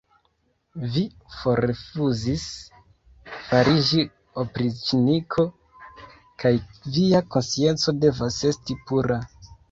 Vi forrifuzis fariĝi opriĉniko, kaj via konscienco devas esti pura!